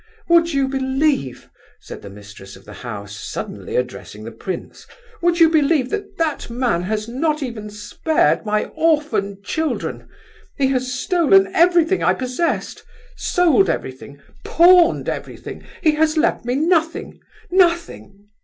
"Would you believe," said the mistress of the house, suddenly addressing the prince, "would you believe that that man has not even spared my orphan children? He has stolen everything I possessed, sold everything, pawned everything; he has left me nothing—nothing!